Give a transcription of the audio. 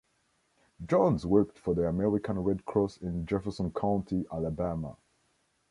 Jones worked for the American Red Cross in Jefferson County, Alabama.